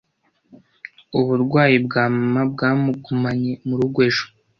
Uburwayi bwa Mama bwamugumanye murugo ejo.